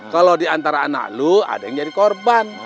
kalau diantara anak lu ada yang jadi korban